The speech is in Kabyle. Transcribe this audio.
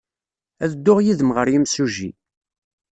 Ad dduɣ yid-m ɣer yimsujji.